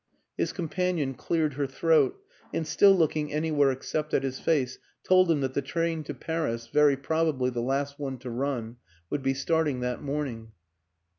His companion cleared her throat and, still looking anywhere ex cept at his face, told him that the train to Paris very probably the last one to run would be starting that morning.